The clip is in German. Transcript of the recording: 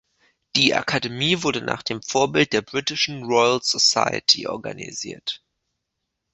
Die Akademie wurde nach dem Vorbild der britischen Royal Society organisiert.